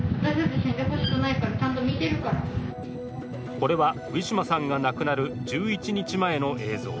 これはウィシュマさんが亡くなる１１日前の映像。